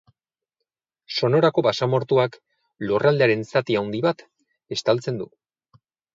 Sonorako basamortuak lurraldearen zati handi bat estaltzen du.